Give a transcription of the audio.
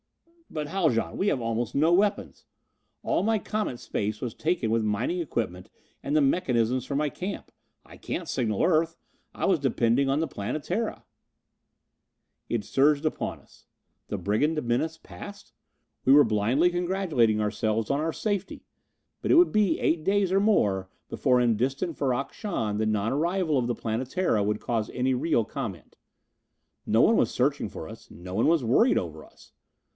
"But Haljan, we have almost no weapons! All my Comet's space was taken with mining equipment and the mechanisms for my camp. I can't signal Earth! I was depending on the Planetara!" It surged upon us. The brigand menace past? We were blindly congratulating ourselves on our safety! But it would be eight days or more before in distant Ferrok Shahn the non arrival of the Planetara would cause any real comment. No one was searching for us no one was worried over us.